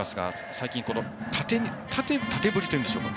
最近、縦振りというんでしょうか。